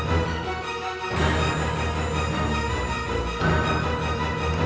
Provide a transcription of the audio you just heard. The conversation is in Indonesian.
senyum sedang seseguh